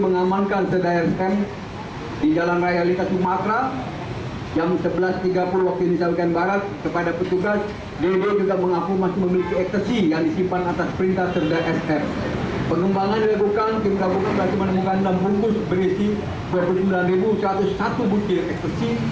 pengembangan yang bukan tim rambut kepala kepala kepala menemukan dalam rumpus berisi dua puluh sembilan satu ratus satu bukit ekstasi